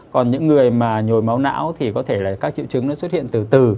còn những người mà nhồi máu não thì có thể là các triệu chứng nó xuất hiện từ từ